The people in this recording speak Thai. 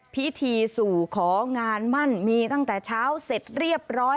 พิธีสู่ของานมั่นมีตั้งแต่เช้าเสร็จเรียบร้อย